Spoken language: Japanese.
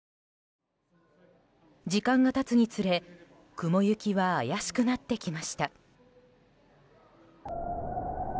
時間が経つにつれ雲行きは怪しくなってきました。